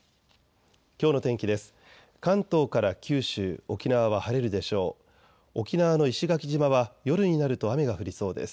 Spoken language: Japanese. きょうの天気です。